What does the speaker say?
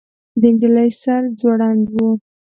د نجلۍ سر ځوړند و.